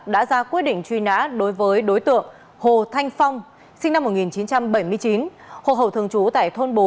đã ra quyết định truy nã đối với đối tượng hồ thanh phong sinh năm một nghìn chín trăm bảy mươi chín hộ khẩu thường trú tại thôn bốn